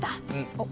おっ。